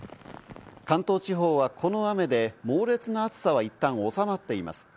関東地方は、この雨で猛烈な暑さはいったん収まっています。